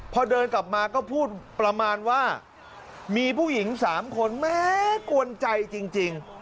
พอเดินกลับมาก็พูดประมาณว่ามีผู้หญิง๓คนแม้กวนใจจริง